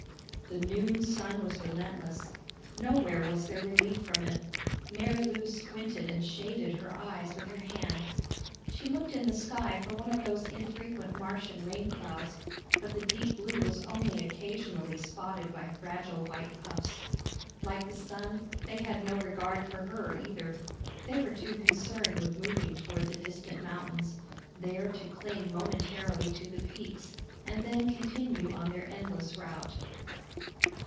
The noon sun was relentless; nowhere was there relief from it. Marilou squinted and shaded her eyes with her hand. She looked in the sky for one of those infrequent Martian rain clouds, but the deep blue was only occasionally spotted by fragile white puffs. Like the sun, they had no regard for her, either. They were too concerned with moving toward the distant mountains, there to cling momentarily to the peaks and then continue on their endless route.